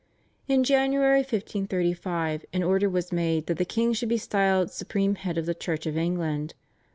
In January 1535 an order was made that the king should be styled supreme head of the Church of England.